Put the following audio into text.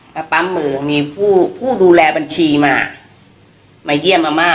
มาปั๊มมือมีผู้ดูแลบัญชีมามาเยี่ยมอาม่า